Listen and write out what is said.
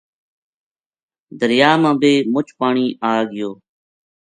دریا ما بے مُچ پانی آگیو